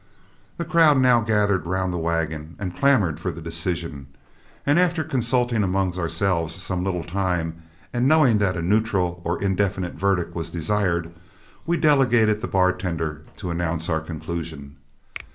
The crowd now gathered around the wagons and clamored for the decision, and after consulting among ourselves some little time, and knowing that a neutral or indefinite verdict was desired, we delegated the bartender to announce our conclusions.